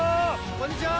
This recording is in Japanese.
こんにちは。